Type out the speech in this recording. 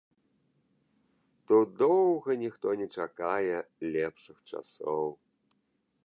Тут доўга ніхто не чакае лепшых часоў.